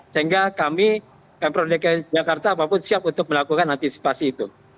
sehingga kami pemprov dki jakarta apapun siap untuk melakukan antisipasi itu